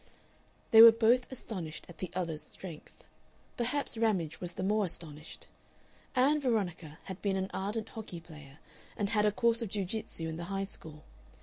They were both astonished at the other's strength. Perhaps Ramage was the more astonished. Ann Veronica had been an ardent hockey player and had had a course of jiu jitsu in the High School.